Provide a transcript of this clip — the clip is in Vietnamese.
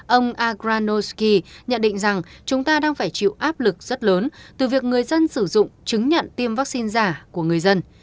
ông agranosky nhận định rằng chúng ta đang phải chịu áp lực rất lớn từ việc người dân sử dụng chứng nhận tiêm vaccine giả của người dân